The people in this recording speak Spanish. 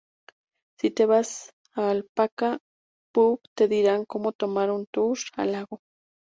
Si te vas al Alpaca Pub te dirán como tomar un tour al lago.